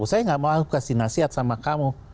saya gak mau kasih nasihat sama kamu